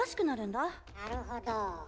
なるほど。